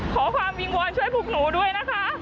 ขอความวิงวอนช่วยพวกหนูด้วยนะคะ